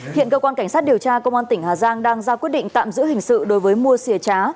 hiện cơ quan cảnh sát điều tra công an tỉnh hà giang đang ra quyết định tạm giữ hình sự đối với mua xìa trá